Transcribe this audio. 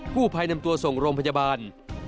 ผู้ภัยนำตัวส่งโรงพยาบาล